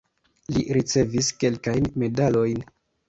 Li ricevis kelkajn medalojn.